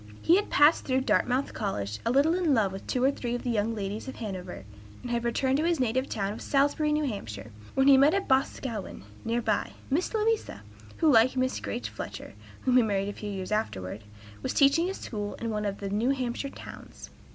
He had passed through Dartmouth College a little in love with two or three of the young ladies of Hanover, and had returned to his native town of Salisbury, N. H., when he met in Boscawen, near by, Miss Louisa, who, like Miss Grace Fletcher, whom he married a few years afterward, was teaching school in one of the New Hampshire towns.